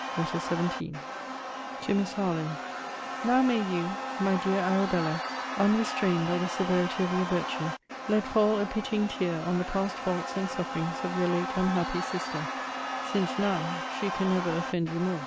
LETTER XVII TO MISS HARLOWE Now may you, my dear Arabella, unrestrained by the severity of your virtue, let fall a pitying tear on the past faults and sufferings of your late unhappy sister; since, now, she can never offend you more.